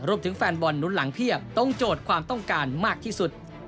แฟนบอลหนุนหลังเพียบตรงโจทย์ความต้องการมากที่สุด